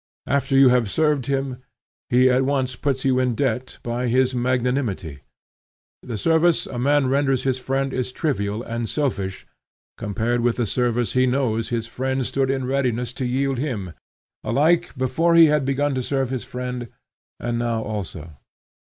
After you have served him he at once puts you in debt by his magnanimity. The service a man renders his friend is trivial and selfish compared with the service he knows his friend stood in readiness to yield him, alike before he had begun to serve his friend, and now also.